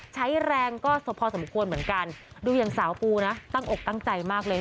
ใช้แรงก็พอสมควรเหมือนกันดูอย่างสาวปูนะตั้งอกตั้งใจมากเลย